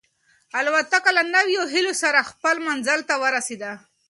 الوتکه له نویو هیلو سره خپل منزل ته ورسېده.